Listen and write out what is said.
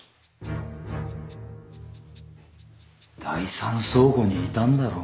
第三倉庫にいたんだろ？